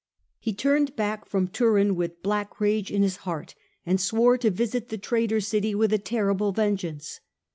He turned back from Turin with black rage in his heart and swore to visit the traitor city with a terrible vengeance.